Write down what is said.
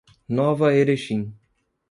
Nova Erechim